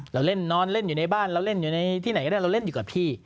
เราเล่นนอนเล่นอยู่ในบ้านเราเล่นอยู่ในที่ไหนก็ได้เราเล่นอยู่กับพี่